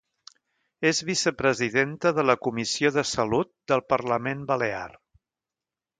És vicepresidenta de la Comissió de Salut del Parlament Balear.